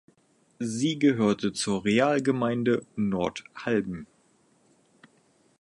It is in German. Sie gehörte zur Realgemeinde Nordhalben.